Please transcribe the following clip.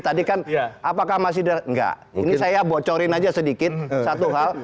tadi kan apakah masih enggak ini saya bocorin aja sedikit satu hal